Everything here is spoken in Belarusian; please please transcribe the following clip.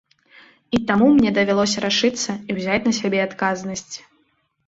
І таму мне давялося рашыцца і ўзяць на сябе адказнасць.